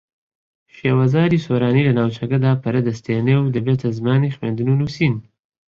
شێوەزاری سۆرانی لە ناوچەکەدا پەرە دەستێنێ و دەبێتە زمانی خوێندن و نووسین